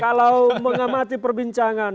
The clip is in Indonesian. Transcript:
kalau mengamati perbincangan